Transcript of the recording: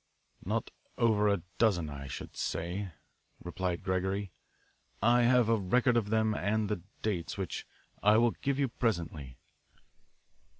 "Not over a dozen, I should say;" replied Gregory. "I have a record of them and the dates, which I will give you presently.